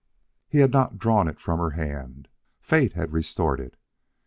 He had not drawn it from her hand. Fate had restored it.